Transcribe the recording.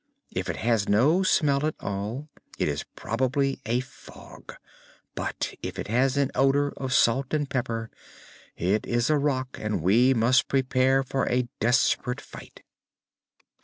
If it has no smell at all, it is probably a fog; but if it has an odor of salt and pepper, it is a Rak and we must prepare for a desperate fight."